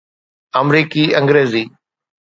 آمريڪي انگريزي